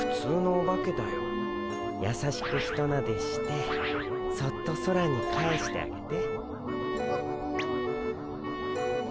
やさしくひとなでしてそっと空に返してあげて。